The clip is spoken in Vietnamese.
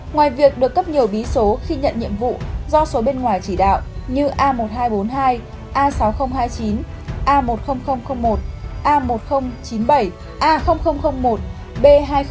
ngoài việc được cấp nhiều bí số khi nhận nhiệm vụ do số bên ngoài chỉ đạo như a một nghìn hai trăm bốn mươi hai a sáu nghìn hai mươi chín a một mươi nghìn một a một nghìn chín mươi bảy a một b hai mươi